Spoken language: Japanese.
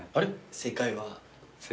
正解は？